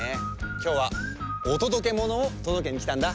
きょうはおとどけものをとどけにきたんだ。